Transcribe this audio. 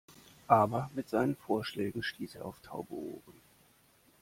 Aber mit seinen Vorschlägen stieß er auf taube Ohren.